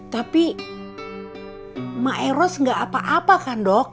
tapi maeros gak apa apa kan dok